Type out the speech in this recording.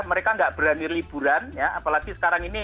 mereka nggak berani liburan ya apalagi sekarang ini